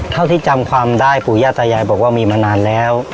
เท่าที่จำความได้ปู่ย่าตายายบอกว่ามีมานานแล้ว